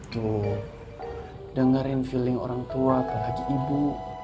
tuh dengerin feeling orang tua apalagi ibu